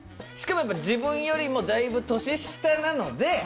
しかもやっぱ自分よりもたいぶ年下なので。